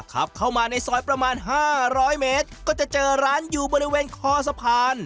ขับเข้ามาในซอยประมาณ๕๐๐เมตรก็จะเจอร้านอยู่บริเวณคอสะพาน